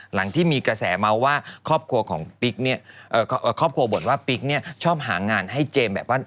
หลังที่มีกระแสมาว่าครอบครัวบอลว่าบิ๊กชอบหางานให้เจมส์แบบว่า